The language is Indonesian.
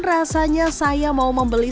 rasanya saya mau membeli